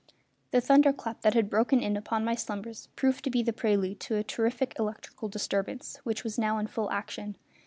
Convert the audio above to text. The thunder clap that had broken in upon my slumbers proved to be the prelude to a terrific electrical disturbance which was now in full action.